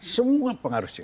semua pengaruh jina